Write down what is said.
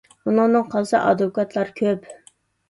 ئۇنىڭدىن قالسا ئادۋوكاتلار كۆپ.